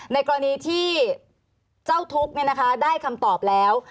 ในกรณีที่เจ้าทุกข์เนี่ยนะคะได้คำตอบแล้ว